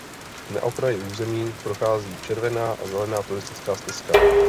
Na okraji území prochází červená a zelená turistická stezka.